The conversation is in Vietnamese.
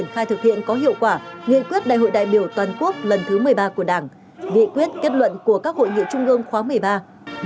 khai thực hiện có hiệu quả nghị quyết đại hội đại biểu toàn quốc lần thứ một mươi ba của đảng nghị quyết kết luận của các hội nghị trung ương khóa một mươi ba